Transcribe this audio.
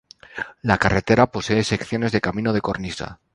La carretera posee secciones de camino de cornisa.